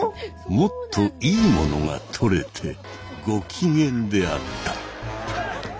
もっといいものが撮れてご機嫌であった。